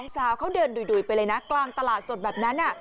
สาวเขาเดินดุยไปเลยนะกลางตลาดสดแบบนั้น